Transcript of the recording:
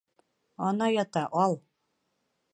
Ана ята, ал!